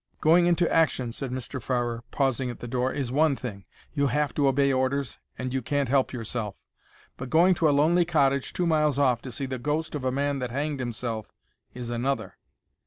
"Going into action," said Mr. Farrer, pausing at the door, "is one thing —you have to obey orders and you can't help yourself; but going to a lonely cottage two miles off to see the ghost of a man that hanged himself is another."